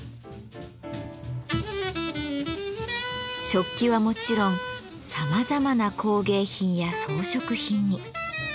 食器はもちろんさまざまな工芸品や装飾品に。